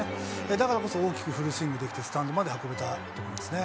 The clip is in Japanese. だからこそ、大きくフルスイングできて、スタンドまで運べたと思いますね。